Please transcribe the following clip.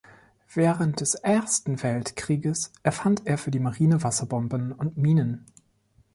Während des Ersten Weltkrieges erfand er für die Marine Wasserbomben und Minen.